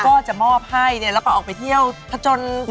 ก็จะมอบให้เนี่ยแล้วก็ออกไปเที่ยวผจญ